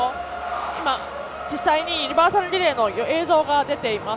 今、実際にユニバーサルリレーの映像が出ています。